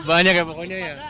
banyak ya pokoknya ya